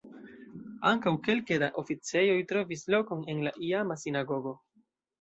Ankaŭ kelke da oficejoj trovis lokon en la iama sinagogo.